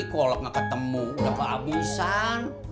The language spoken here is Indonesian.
kolek gak ketemu udah kehabisan